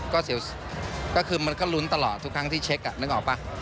ก็คือมันก็ลุ้นตลอดทุกครั้งที่เช็คนึกออกป่ะ